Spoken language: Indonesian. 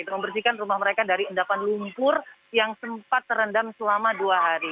membersihkan rumah mereka dari endapan lumpur yang sempat terendam selama dua hari